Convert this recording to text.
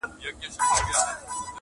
دغو تورمخو له تیارو سره خپلوي کړې ده!!